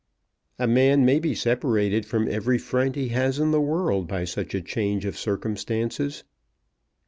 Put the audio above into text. "A man may be separated from every friend he has in the world by such a change of circumstances."